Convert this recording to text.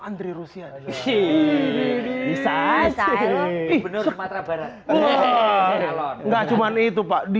andri rusia sih bisa bisa bener mata barat enggak cuman itu pak